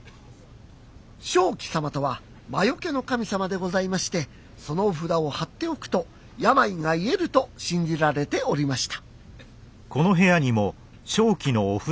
鍾馗様とは魔よけの神様でございましてそのお札を貼っておくと病が癒えると信じられておりました。